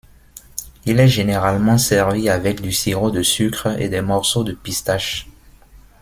Il est généralement servi avec du sirop de sucre et des morceaux de pistaches.